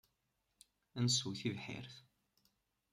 Ad nessew tibḥirt.